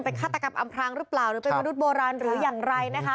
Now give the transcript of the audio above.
เป็นฆาตกรรมอำพรางหรือเปล่าหรือเป็นมนุษย์โบราณหรืออย่างไรนะคะ